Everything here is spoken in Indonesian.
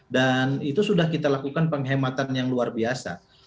dan itu sudah kita lakukan penghematan yang luar biasa